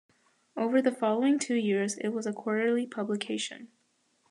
Over the following two years, it was a quarterly publication.